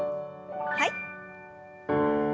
はい。